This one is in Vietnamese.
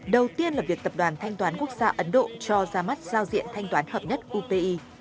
đầu tiên là việc tập đoàn thanh toán quốc gia ấn độ cho ra mắt giao diện thanh toán hợp nhất upi